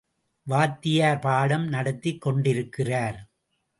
வாத்தியார் பாடம் நடத்திக் கொண்டிருக்கிறார்.